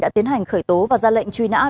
đã tiến hành khởi tố và ra lệnh truy nã